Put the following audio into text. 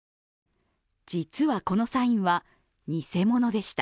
実はこのサインは偽物でした。